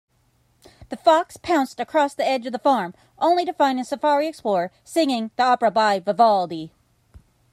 The fox pounced across the edge of the farm, only to find a safari explorer singing an opera by Vivaldi.